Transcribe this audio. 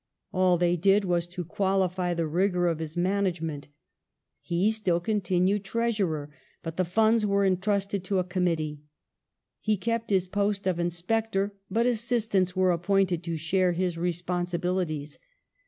All they did was to qualify the rigor of his man 52 EMILY BRONTE. agement. He still continued treasurer, but the funds were intrusted to a committee. He kept his post of inspector, but assistants were ap pointed to share his responsibilities.